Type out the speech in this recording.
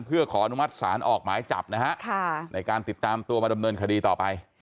เพื่อขออนุมัติศาลออกหมายจับนะฮะในการติดตามตัวมาดำเนินคดีต่อไป